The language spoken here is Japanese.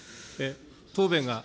答弁が。